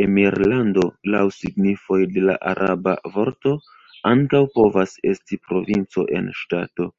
Emirlando, laŭ signifoj de la araba vorto, ankaŭ povas esti provinco en ŝtato.